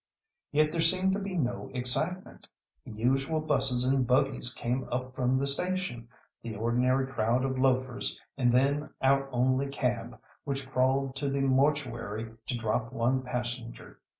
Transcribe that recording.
Yet there seemed to be no excitement. The usual buses and buggies came up from the station, the ordinary crowd of loafers, and then our only cab, which crawled to the "Mortuary" to drop one passenger.